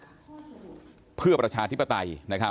โคศกรรชาวันนี้ได้นำคลิปบอกว่าเป็นคลิปที่ทางตำรวจเอามาแถลงวันนี้นะครับ